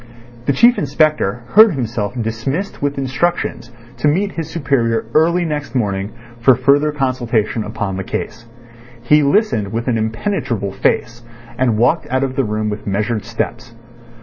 The Chief Inspector heard himself dismissed with instructions to meet his superior early next morning for further consultation upon the case. He listened with an impenetrable face, and walked out of the room with measured steps.